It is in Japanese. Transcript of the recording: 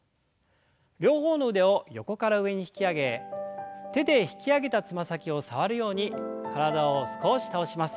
両方の腕を横から上に引き上げ手で引き上げたつま先を触るように体を少し倒します。